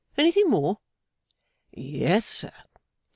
'Anything more?' 'Yes, sir.